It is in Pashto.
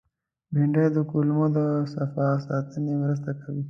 بېنډۍ د کولمو د صفا ساتنې مرسته کوي